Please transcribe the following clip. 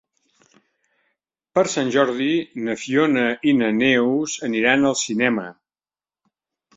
Per Sant Jordi na Fiona i na Neus aniran al cinema.